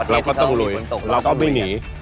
เราก็ต้องลุยเราก็วิ่งหนี